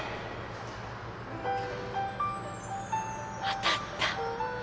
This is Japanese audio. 当たった。